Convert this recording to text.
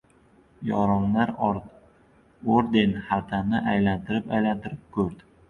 Yoronlar orden xaltani aylantirib-aylantirib ko‘rdi.